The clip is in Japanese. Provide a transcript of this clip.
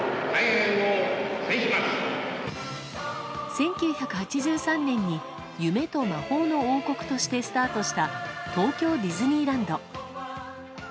１９８３年に夢と魔法の王国としてスタートした東京ディズニーランド。